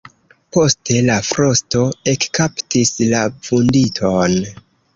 Poste la frosto ekkaptis la vunditon.